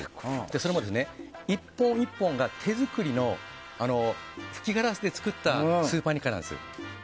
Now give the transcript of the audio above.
それも、１本１本が手作りの吹きガラスで作ったスーパーニッカなんです。